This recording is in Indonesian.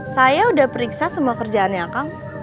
saya udah periksa semua kerjaannya kang